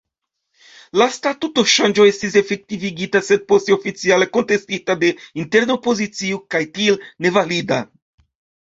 La statutoŝanĝo estis efektivigita, sed poste oficiale kontestita de interna opozicio, kaj tial nevalida.